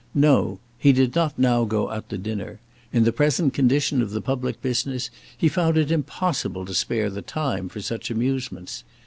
No! he did not now go out to dinner. In the present condition of the public business he found it impossible to spare the time for such amusements.